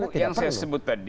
itu yang disebut tadi